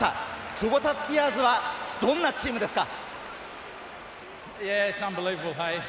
クボタスピアーズはどんなチームですか？